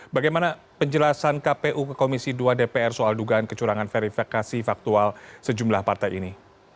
bagaimana penjelasan kpu ke komisi dua dpr soal dugaan kecurangan verifikasi faktual sejumlah partai ini